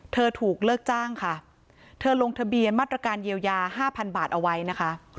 เธอถูกเลิกจ้างค่ะเธอลงทะเบียนมาตรการเยียวยา๕๐๐บาทเอาไว้นะคะ